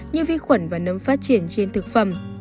như vi khuẩn và nấm phát triển trên thực phẩm